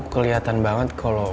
kelihatan banget kalau